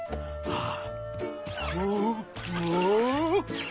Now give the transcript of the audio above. ああ。